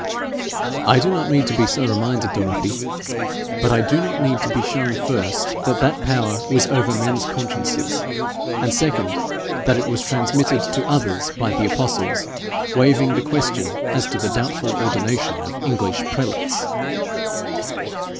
'I do not need to be so reminded, Dorothy, but I do not need to be shown first that that power was over men's consciences; and second, that it was transmitted to others by the apostles waiving the question as to the doubtful ordination of English prelates.'